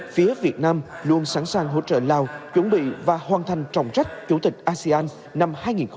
phía việt nam luôn sẵn sàng hỗ trợ lào chuẩn bị và hoàn thành trọng trách chủ tịch asean năm hai nghìn hai mươi